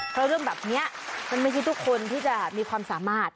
เพราะเรื่องแบบนี้มันไม่ใช่ทุกคนที่จะมีความสามารถ